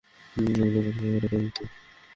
আপনাকে পরীক্ষা করে দেখবো?